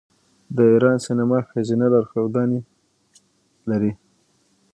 د ایران سینما ښځینه لارښودانې لري.